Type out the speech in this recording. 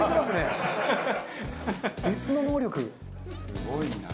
すごいな。